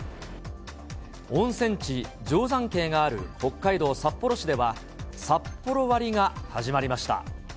温泉地、定山渓がある北海道札幌市では、サッポロ割が始まりました。